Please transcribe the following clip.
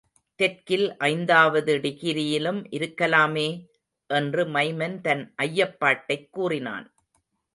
தெற்கில் ஐந்தாவது டிகிரியிலும் இருக்கலாமே? என்று மைமன் தன் ஐயப்பாட்டைக் கூறினான்.